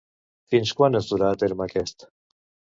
Fins quan es durà a terme aquest?